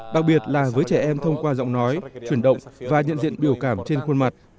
đặc biệt là với trẻ em thông qua giọng nói chuyển động và nhận diện biểu cảm trên khuôn mặt